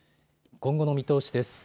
今後の見通しです。